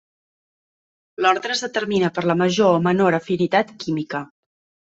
L'ordre es determina per la major o menor afinitat química.